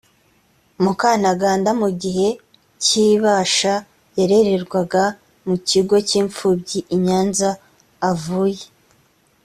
mukantaganda mu gihe kibasha yarererwaga mu kigo cy imfubyi i nyanza avuye